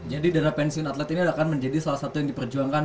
jadi dana pensiun atlet ini akan menjadi salah satu yang diperjuangkan